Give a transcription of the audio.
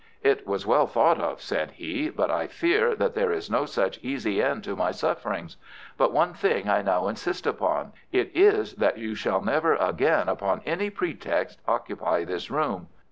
"It was well thought of," said he, "but I fear that there is no such easy end to my sufferings. But one thing I now insist upon. It is that you shall never again upon any pretext occupy this room.